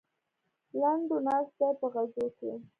لنډو ناست دی په خزو کې.